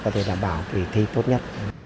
thế đảm bảo thì thi tốt nhất